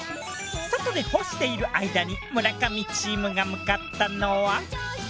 外で干している間に村上チームが向かったのは。